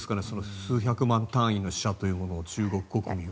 数百万単位の死者というものを中国国民は。